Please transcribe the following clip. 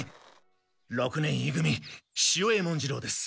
六年い組潮江文次郎です。